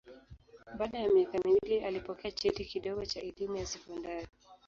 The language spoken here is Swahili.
Baada ya miaka miwili alipokea cheti kidogo cha elimu ya sekondari.